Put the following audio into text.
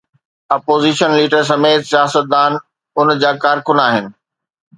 Opposition leader سميت سياستدان ان جا ڪارڪن آهن.